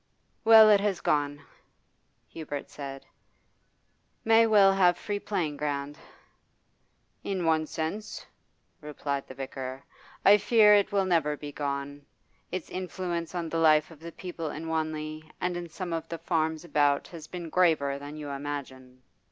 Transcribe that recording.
'Well, it has gone,' Hubert said. 'May will have free playing ground.' 'In one sense,' replied the vicar, 'I fear it will never be gone. Its influence on the life of the people in Wanley and in some of the farms about has been graver than you imagine.